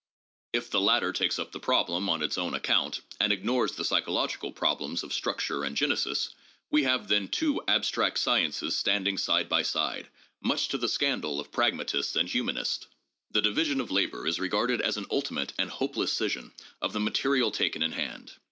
If the latter takes up the problem on its own ac count and ignores the psychological problems of structure and genesis, we have then two abstract sciences standing side by side, much to the scandal of pragmatists and humanists. The division of labor is regarded as an ultimate and hopeless scission of the material taken in hand.